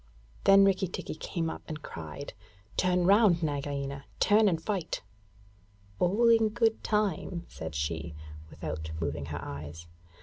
Then Rikki tikki came up and cried: 'Turn round, Nagaina; turn and fight!' 'All in good time,' said she, without moving her eyes.